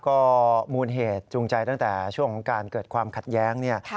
ก็มูลเหตุจูงใจตั้งแต่ช่วงของการเกิดความขัดแย้งเนี่ย